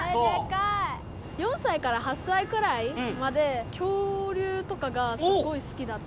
４さいから８さいくらいまで恐竜とかがすごいすきだった。